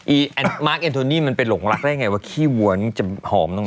มาร์คเอ็นโทนี่มันไปหลงรักได้ไงว่าขี้วัวนี่จะหอมตรงไหน